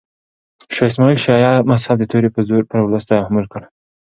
شاه اسماعیل شیعه مذهب د تورې په زور پر ولس تحمیل کړ.